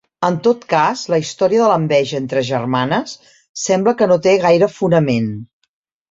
En tot cas, la història de l'enveja entre germanes sembla que no té gaire fonament.